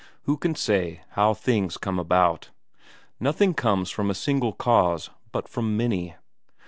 Who can say how things come about? Nothing comes from a single cause, but from many.